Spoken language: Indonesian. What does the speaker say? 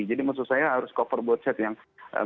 jadi maksud saya harus cover both sides